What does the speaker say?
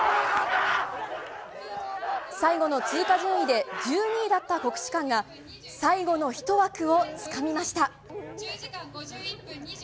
最後の通過順位で１２位だった国士舘が、最後の１枠をつかみました。